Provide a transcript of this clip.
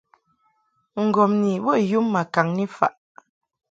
Ŋgɔmni bə yum ma kaŋni faʼ.